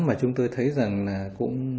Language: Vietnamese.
mà chúng tôi thấy rằng là cũng